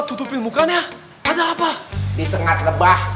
tutup mukanya adalah apa disengat lebah